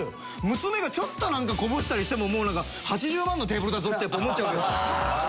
娘がちょっとなんかこぼしたりしても８０万のテーブルだぞってやっぱ思っちゃうんですよ。